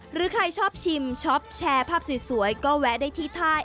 หรือใครชอบชิมชอบแชร์ภาพสวยก็แวะได้ที่ท่าย